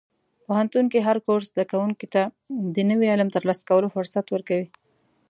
پوهنتون کې هر کورس زده کوونکي ته د نوي علم ترلاسه کولو فرصت ورکوي.